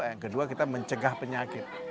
yang kedua kita mencegah penyakit